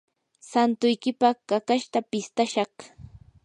santuykipaq kakashta pistashaq.